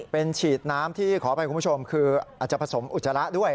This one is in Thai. เป็นฉีดน้ำที่ขออภัยคุณผู้ชมคืออาจจะผสมอุจจาระด้วย